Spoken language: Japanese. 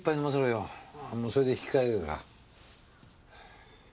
もうそれで引き揚げるから。